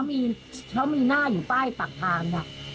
เพราะมีหน้าอยู่ป้ายปากทางน่ะค่ะ